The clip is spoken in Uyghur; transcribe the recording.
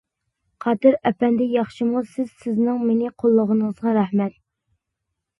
قادىر ئەپەندى ياخشىمۇ سىز سىزنىڭ مېنى قوللىغىنىڭىزغا رەھمەت.